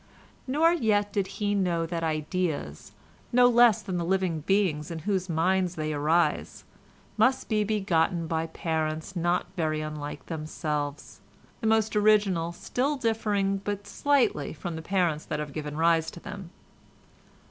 Nor yet did he know that ideas, no less than the living beings in whose minds they arise, must be begotten by parents not very unlike themselves, the most original still differing but slightly from the parents that have given rise to them.